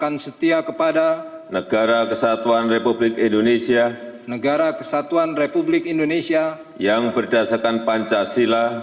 negara kesatuan republik indonesia